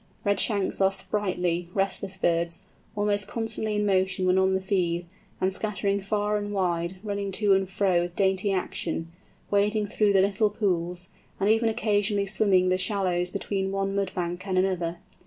Redshanks are sprightly, restless birds, almost constantly in motion when on the feed, and scattering far and wide, running to and fro with dainty action, wading through the little pools, and even occasionally swimming the shallows between one mud bank and another.